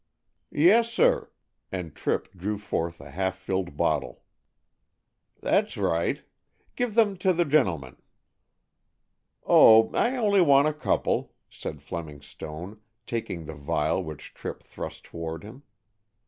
"Yessir;" and Tripp drew forth a half filled bottle. "That's right. Give them to the gentleman." "Oh, I only want a couple," said Fleming Stone, taking the vial which Tripp thrust toward him.